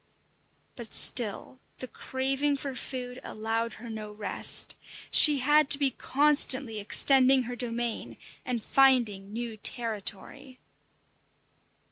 But still the craving for food allowed her no rest. She had to be constantly extending her domain and finding new territory.